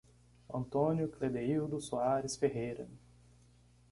Antônio Cledeildo Soares Ferreira